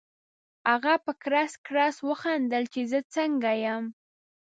هغه په کړس کړس وخندل چې زه څنګه یم؟